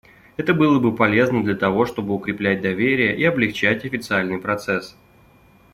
Это было бы полезно для того, чтобы укреплять доверие и облегчать официальный процесс.